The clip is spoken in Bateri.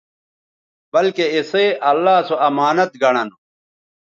بلکہ اِسئ اللہ سو امانت گنڑہ نو